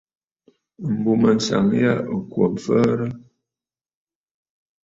M̀bùmânsaŋ yâ ɨ̀ kwo mfəərə.